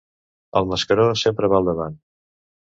El mascaró sempre va al davant.